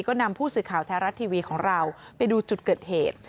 ก็นำผู้สื่อข่าวแท้รัฐทีวีของเราไปดูจุดเกิดเหตุ